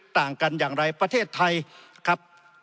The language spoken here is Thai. ต่างกันอย่างไรประเทศไทยครับ